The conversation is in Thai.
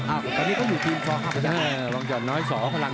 อ้าวตอนนี้ก็อยู่ทีมชอห้ามระยักษ์นะครับ